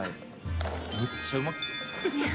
めっちゃうまくて。